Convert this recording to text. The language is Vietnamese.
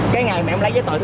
cái ngày em lấy giấy tờ thứ ba